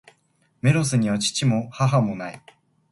メロスには父も、母も無い。